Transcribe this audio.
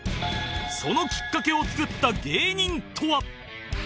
そのきっかけを作った芸人とは